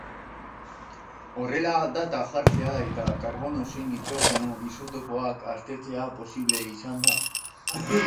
Horrela, data jartzea eta karbono zein nitrogeno isotopoak aztertzea posible izan da.